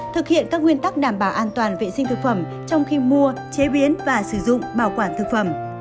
thực hiện các nguyên tắc đảm bảo an toàn vệ sinh thực phẩm trong khi mua chế biến và sử dụng bảo quản thực phẩm